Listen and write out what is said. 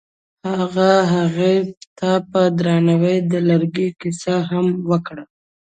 هغه هغې ته په درناوي د لرګی کیسه هم وکړه.